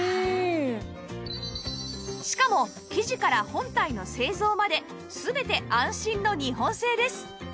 しかも生地から本体の製造まで全て安心の日本製です